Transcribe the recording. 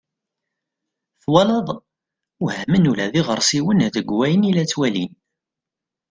Twalaḍ! Wehmen ula d iɣersiwen deg wayen i la ttwalin.